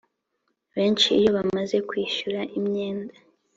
benshi iyo bamaze kwishyura imyenda